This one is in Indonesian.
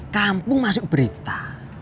kampung masuk berita